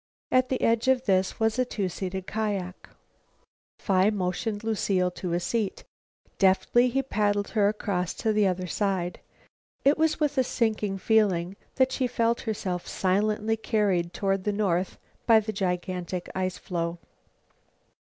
At the edge of this was a two seated kiak. Phi motioned Lucile to a seat. Deftly, he paddled her across to the other side. It was with a sinking feeling that she felt herself silently carried toward the north by the gigantic ice floe.